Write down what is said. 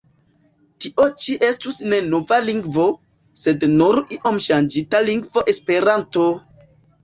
Tio ĉi estus ne nova lingvo, sed nur iom ŝanĝita lingvo Esperanto!